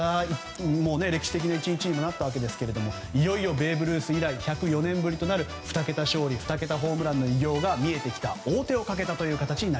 歴史的な１日になったわけですがいよいよベーブ・ルース以来１０４年ぶりとなる２桁ホームランの偉業が見えてきた王手が見えてきた形です。